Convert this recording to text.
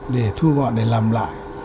để thu gọn để làm lại